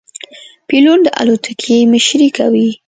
پیلوټ د الوتکې مشري کوي.